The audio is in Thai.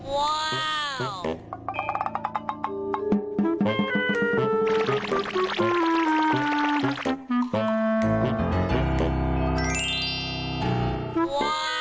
ว้าว